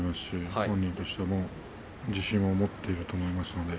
本人としても自信を持って取っていると思います。